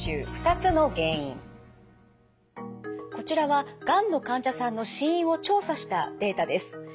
こちらはがんの患者さんの死因を調査したデータです。